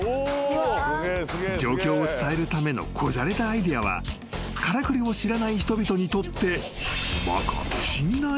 ［状況を伝えるためのこじゃれたアイデアはからくりを知らない人々にとって］